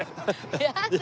やだ。